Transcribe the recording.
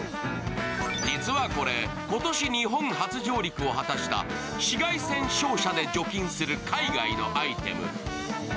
実はこれ、今年、日本初上陸を果たした紫外線照射で除菌する海外のアイテム。